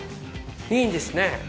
いいですね。